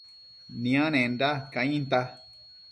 nianenda cainta